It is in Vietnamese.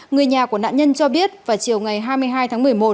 người nhà của nạn nhân cho biết vào chiều ngày hai mươi hai tháng một mươi một